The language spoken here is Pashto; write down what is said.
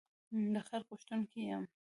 د خیر غوښتونکی یم.